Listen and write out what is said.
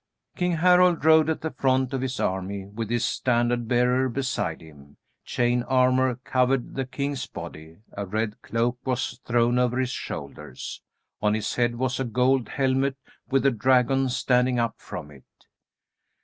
King Harald rode at the front of his army with his standard bearer beside him. Chain armor covered the king's body. A red cloak was thrown over his shoulders. On his head was a gold helmet with a dragon standing up from it.